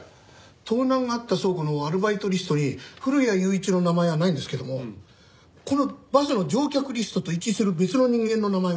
盗難があった倉庫のアルバイトリストに古谷雄一の名前はないんですけどもこのバスの乗客リストと一致する別の人間の名前がありますよ。